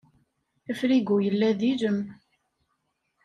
Afrigu yella d ilem.